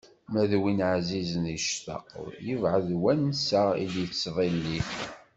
Ma d win ɛzizen i tectaqeḍ, yebɛed wansa i d-yettḍilli.